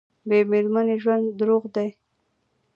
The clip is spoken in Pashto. بې میرمنې ژوند دوزخ دی